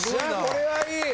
これはいい！